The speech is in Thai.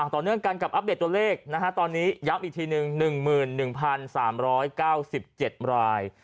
ต่อเนื่องกันกับอัปเดตตัวเลขตอนนี้ย้ำอีกทีหนึ่ง๑๑๓๙๗ราย